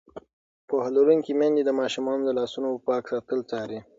پوهه لرونکې میندې د ماشومانو د لاسونو پاک ساتل څاري.